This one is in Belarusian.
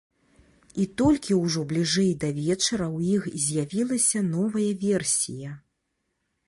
І толькі ўжо бліжэй да вечара ў іх з'явілася новая версія.